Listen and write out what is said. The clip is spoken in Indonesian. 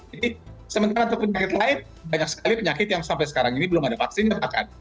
jadi sementara untuk penyakit lain banyak sekali penyakit yang sampai sekarang ini belum ada vaksin